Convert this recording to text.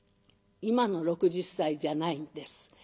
今の６０歳じゃないんです。